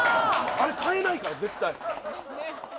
あれ変えないから絶対。